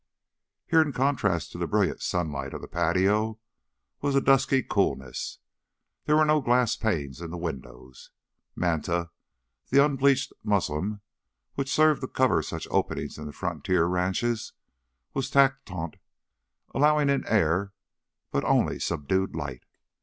Here in contrast to the brilliant sunlight of the patio was a dusky coolness. There were no glass panes in the windows. Manta, the unbleached muslin which served to cover such openings in the frontier ranches, was tacked taut, allowing in air but only subdued light.